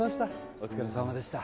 お疲れさまでした